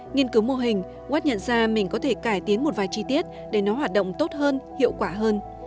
nghiên cứu mô hình watt nhận ra mình có thể cải tiến một vài chi tiết để nó hoạt động tốt hơn hiệu quả hơn